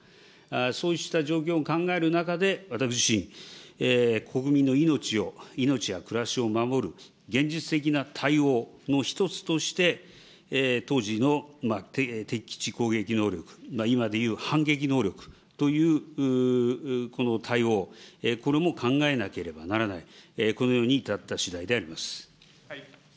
そうした状況を考える中で、私自身、国民の命を、命や暮らしを守る現実的な対応の１つとして、当時の敵基地攻撃能力、今でいう反撃能力というこの対応、これも考えなければならない、このように至ったしだいであります。